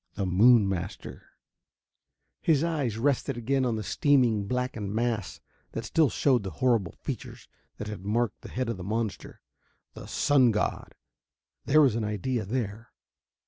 His eyes rested again on the steaming, blackened mass that still showed the horrible features that had marked the head of the monster. The sun god! There was an idea there.